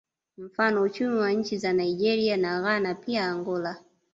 Mfano uchumi wa nchi za Nigeria na Ghana pia Angola